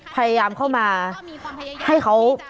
พยายามเข้ามาให้เขา